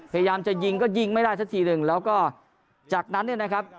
พยายามจะยิงก็ยิงไม่ได้สักทีหนึ่งแล้วก็จากนั้นเนี่ยนะครับ